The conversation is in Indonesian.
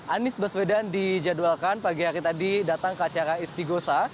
anies baswedan dijadwalkan pagi hari tadi datang ke acara istighosa